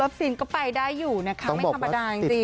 แสดงกระดายกันครดี